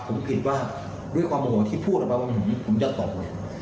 ผมผิดว่าด้วยความโหโหที่พูดแบบว่าผมจะตอบเวร